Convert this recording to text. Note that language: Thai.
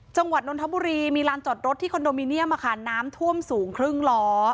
จังหวัดนนทบุรีมีลานจอดรถที่คอนโดมิเนียมน้ำท่วมสูงครึ่งล้อ